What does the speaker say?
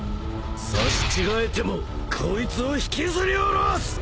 刺し違えてもこいつを引きずり下ろす！